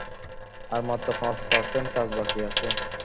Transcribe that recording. আর মাত্র পাচ পারসেন্ট কাজ বাকি আছে।